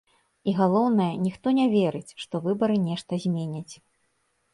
І, галоўнае, ніхто не верыць, што выбары нешта зменяць.